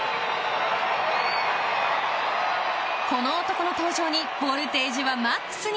この男の登場にボルテージはマックスに。